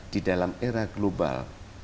di dalam era global